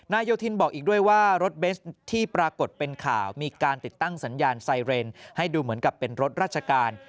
โยธินบอกอีกด้วยว่ารถเบสที่ปรากฏเป็นข่าวมีการติดตั้งสัญญาณไซเรนให้ดูเหมือนกับเป็นรถราชการ